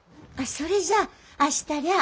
それじゃあ明日りゃあ